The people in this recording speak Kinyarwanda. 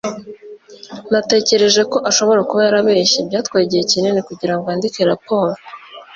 Natekereje ko ashobora kuba yarabeshye. Byatwaye igihe kinini kugirango yandike raporo.